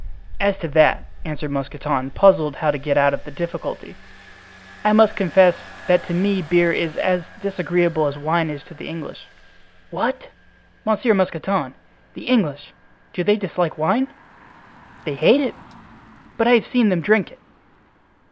"As to that," answered Mousqueton, puzzled how to get out of the difficulty, "I must confess that to me beer is as disagreeable as wine is to the English." "What! Monsieur Mousqueton! The English—do they dislike wine?" "They hate it." "But I have seen them drink it."